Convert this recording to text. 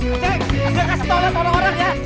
udah kasih tolong sama orang orang ya